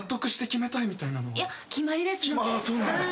決まりですので。